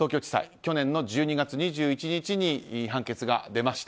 去年の１２月２１日に判決が出ました。